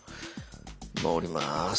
降ります。